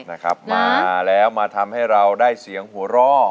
นะครับมาแล้วมาทำให้เราได้เสียงหัวร่อ